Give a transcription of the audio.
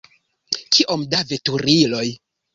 Kiom da veturiloj!